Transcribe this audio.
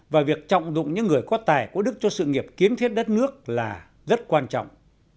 và việc trọng dụng những người có tài của đức cho sự nghiệp kiến thiết đất nước là rất quan trọng